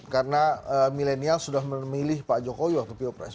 karena millennials sudah memilih pak jokowi waktu pio pres